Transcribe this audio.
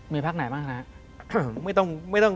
มีพักไหนบ้างครับ